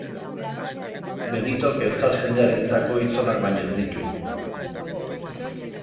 Benitok euskal jendearentzako hitz onak baino ez ditu.